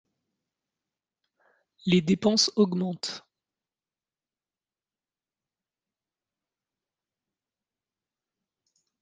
Les dépenses augmentent